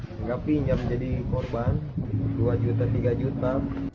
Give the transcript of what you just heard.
tidak pinjam jadi korban dua juta tiga juta